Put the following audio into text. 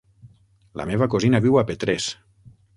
La meva cosina viu a Petrés.